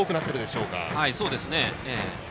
そうですね。